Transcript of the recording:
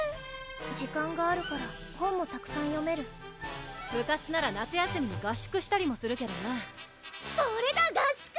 時間があるから本もたくさん読める部活なら夏休みに合宿したりもするけどなそれだ合宿！